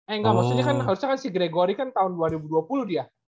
enggak maksudnya kan harusnya si gregory kan tahun dua ribu dua puluh dia